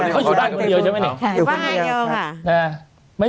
บ้านเด็กไง